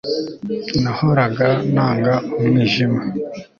Nahoraga nanga umwijima